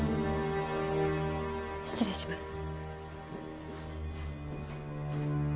失礼します。